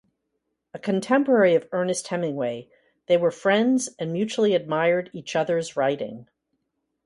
A contemporary of Ernest Hemingway, they were friends and mutually admired each other's writing.